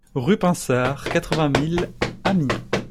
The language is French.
Rue Pinsard, quatre-vingt mille Amiens